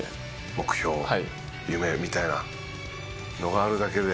目標夢みたいなのがあるだけで。